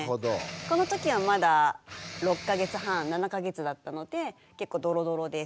この時はまだ６か月半７か月だったので結構ドロドロです。